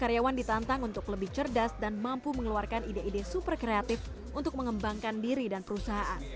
karyawan ditantang untuk lebih cerdas dan mampu mengeluarkan ide ide super kreatif untuk mengembangkan diri dan perusahaan